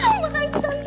ah makasih tante